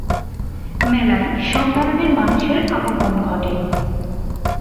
মেলায় সব ধরনের মানুষের আগমন ঘটে।